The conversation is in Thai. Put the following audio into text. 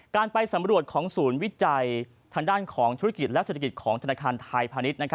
การไปสำรวจของศูนย์วิจัยทางด้านของธุรกิจและเศรษฐกิจของธนาคารไทยพาณิชย์